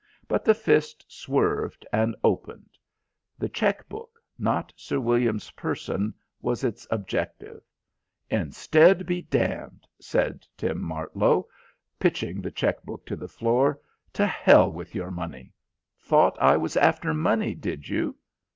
But the fist swerved and opened. The cheque book, not Sir William's person, was its objective. "Instead be damned," said Tim Martlow, pitching the cheque book to the floor. "To hell with your money. Thought I was after money, did you?"